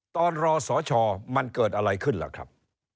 รอสชมันเกิดอะไรขึ้นล่ะครับ